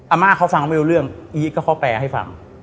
อาม่าเขาฟังไม่เคยเรื่องอิกก็แปะให้ฟัง